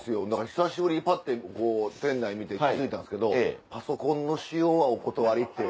久しぶりにぱってこう店内見て気付いたんですけど「パソコンの使用はお断り」って。